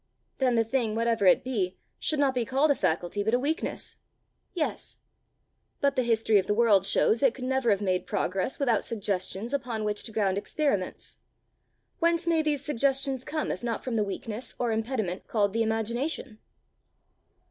"Then the thing, whatever it be, should not be called a faculty, but a weakness!" "Yes." "But the history of the world shows it could never have made progress without suggestions upon which to ground experiments: whence may these suggestions come if not from the weakness or impediment called the imagination?"